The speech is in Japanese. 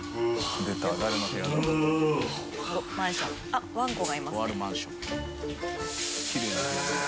あっワンコがいますね。